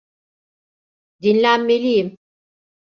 Dinlenmeliyim.